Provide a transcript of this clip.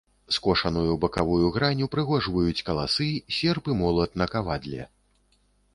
Скошаную бакавую грань упрыгожваюць каласы, серп і молат на кавадле.